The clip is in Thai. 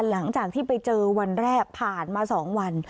หลังจากที่ไปเจอวันแรกผ่านมา๒วัน